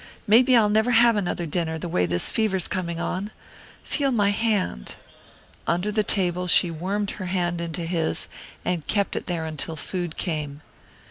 Maybe I'll never have another dinner, the way this fever's coming on. Feel my hand." Under the table she wormed her hand into his, and kept it there until food came.